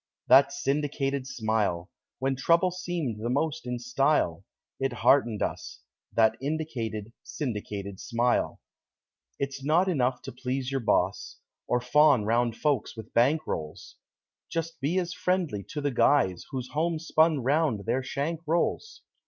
That syndicated smile! When trouble seemed the most in style, It heartened us That indicated, Syndicated Smile. It's not enough to please your boss Or fawn round folks with bankrolls; Be just as friendly to the guys Whose homespun round their shank rolls.